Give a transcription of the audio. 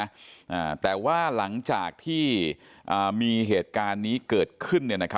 อ่าแต่ว่าหลังจากที่อ่ามีเหตุการณ์นี้เกิดขึ้นเนี่ยนะครับ